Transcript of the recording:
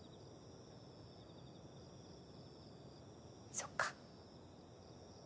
そっか。